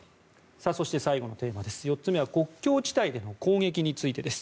そして最後のテーマ、４つ目は国境地帯での攻撃についてです。